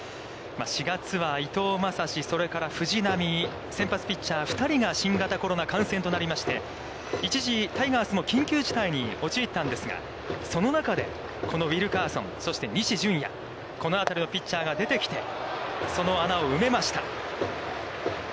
４月は伊藤将司、それから藤浪、先発ピッチャー２人が新型コロナ感染となりまして、一時タイガースも緊急事態に陥ったんですが、その中でこのウィルカーソン、そして西純矢、この辺りのピッチャーが出てきて、その穴を埋めました。